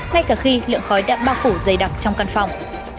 ngay cả khi lượng khói đã bao phủ dày đặc trong căn phòng